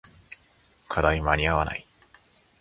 課題間に合わない